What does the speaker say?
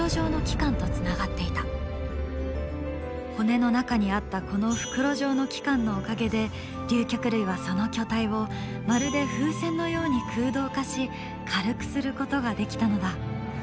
骨の中にあったこの袋状の器官のおかげで竜脚類はその巨体をまるで風船のように空洞化し軽くすることができたのだ。